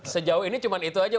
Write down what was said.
sejauh ini cuma itu aja